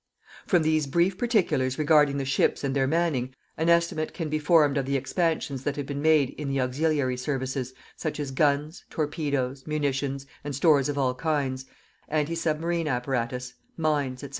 From these brief particulars regarding the ships and their manning, an estimate can be formed of the expansions that have been made in the auxiliary services, such as guns, torpedoes, munitions, and stores of all kinds, anti submarine apparatus, mines, &c.